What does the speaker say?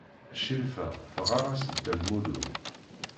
Crifa teɣɣar-as Dda Lmulud.